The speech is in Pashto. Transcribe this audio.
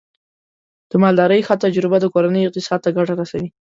د مالدارۍ ښه تجربه د کورنۍ اقتصاد ته ګټه رسوي.